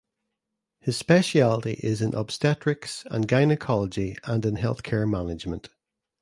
His specialty is in obstetrics and gynaecology and in healthcare management.